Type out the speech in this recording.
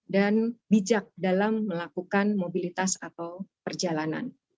dan bijak dalam melakukan mobilitas atau perjalanan